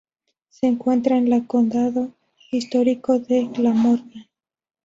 Se encuentra en la condado histórico de Glamorgan.